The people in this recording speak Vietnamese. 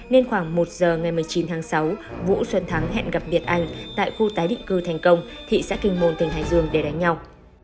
nên khoảng một giờ ngày một mươi chín tháng sáu vũ xuân thắng hẹn gặp việt anh tại khu tái định cư thành công thị xã kinh môn tỉnh hải dương để đánh nhau